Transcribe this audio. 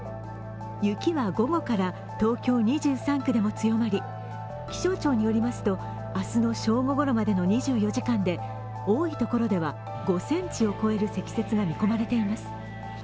雪は午後から東京２３区でも強まり、気象庁によりますと、明日の正午ごろまでの２４時間で多いところでは５ｃｍを超える積雪が見込まれています。